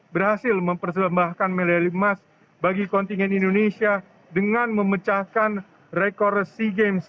berhasil mempersembahkan medali emas bagi kontingen indonesia dengan memecahkan rekor sea games